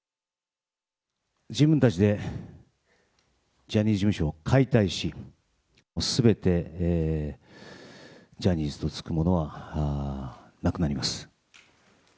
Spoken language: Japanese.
自分たちでジャニーズ事務所を解体し、すべてジャニーズと付くものはなくなります。